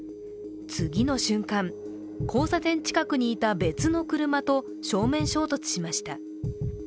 次の瞬間、交差点近くにいた別の車と正面衝突しました。